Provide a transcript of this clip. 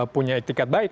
punya etiket baik